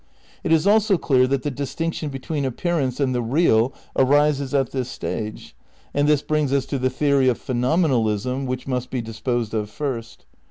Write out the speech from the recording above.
It is also clear that the distinction between appearance and the real arises at this stage, and this brings us to the theory of Phenomenalism which must be disposed of first.